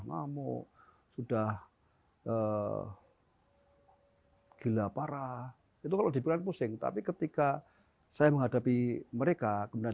ngamuk sudah gila parah itu kalau dibilang pusing tapi ketika saya menghadapi mereka kemudian